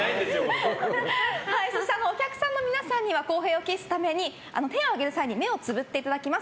お客さんの皆さんには公平を期すために手を挙げる際に目をつぶっていただきます。